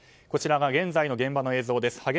こちらが現在の現場の映像です。